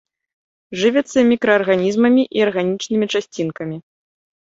Жывяцца мікраарганізмамі і арганічнымі часцінкамі.